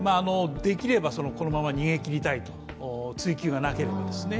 できればこのまま逃げ切りたいと追及がなければですね。